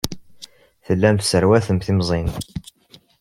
Tellam tesserwatem timẓin.